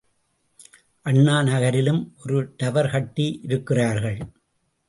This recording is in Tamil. அண்ணா நகரிலும் ஒரு டவர் கட்டி இருக்கிறார்கள்.